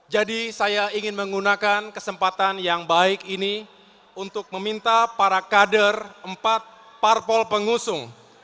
jadi saya ingin menggunakan kesempatan yang baik ini untuk meminta para kader empat parpol pengusung